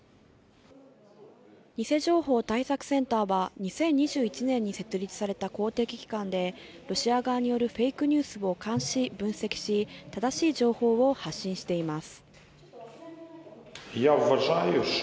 偽情報対策センターは２０２１年に設立された公的機関で、ロシア側によるフェイクニュースを監視・分析し、正しい情報を発信しています。